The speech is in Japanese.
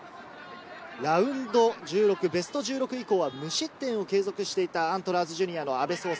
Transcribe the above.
ラウンド１６、ベスト１６以降は無失点を継続していたアントラーズジュニアの阿部創介。